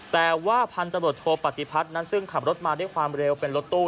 แต่ว่าพันตรวจโทปฏิพัฒน์นั้นซึ่งขับรถมาด้วยความเร็วเป็นรถตู้